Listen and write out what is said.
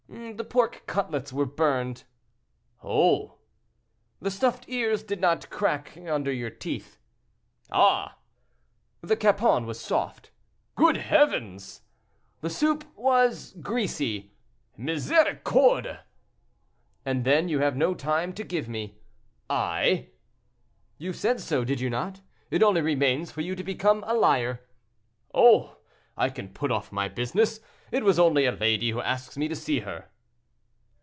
"The pork cutlets were burned." "Oh!" "The stuffed ears did not crack under your teeth." "Ah!" "The capon was soft." "Good heavens!" "The soup was greasy." "Misericorde!" "And then you have no time to give me." "I!" "You said so, did you not? It only remains for you to become a liar." "Oh! I can put off my business: it was only a lady who asks me to see her."